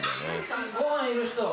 ご飯いる人？